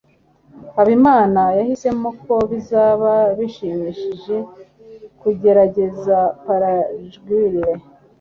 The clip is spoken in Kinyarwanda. habimana yahisemo ko bizaba bishimishije kugerageza paraglide